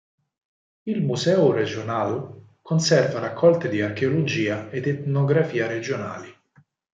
Il Museu Regional conserva raccolte di archeologia ed etnografia regionali.